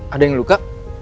ada yang luka